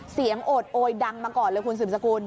โอดโอยดังมาก่อนเลยคุณสืบสกุล